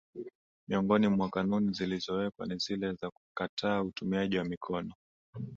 Miongoni mwa kanuni zilizowekwa ni zile za kukataa utumiaji wa mikono